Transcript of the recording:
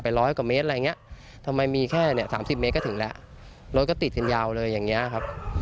ไปร้อยกว่าเมตรไงทำไมมีแค่เนี่ย๓๐เมตรถึงตะละรถก็ติดกันยาวเลยอ่ะครับ